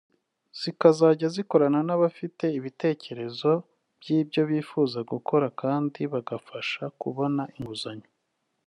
zikazajya zikorana n’abafite ibitegerezo by’ibyo bifuza gukora kandi bagafasha kubona inguzanyo